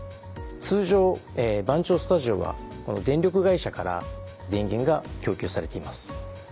通常番町スタジオはこの電力会社から電源が供給されています。